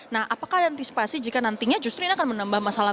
nah apakah ada antisipasi jika nantinya justru ini akan menambah masalah